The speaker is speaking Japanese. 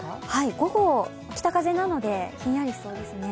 午後、北風なので、ひんやりしそうですね。